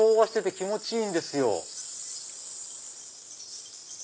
気持ちいいんですよ。